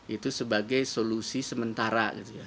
itu sebagai solusi sementara